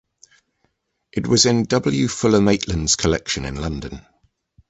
It was in W. Fuller Maitland collection of London.